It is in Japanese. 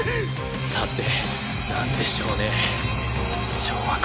さてなんでしょうね。